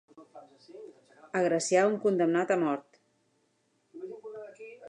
Agraciar un condemnat a mort.